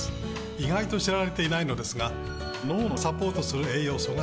意外と知られてないのですが脳をサポートする栄養素があります